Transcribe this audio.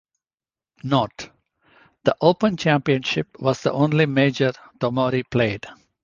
Note: The Open Championship was the only major Tomori played.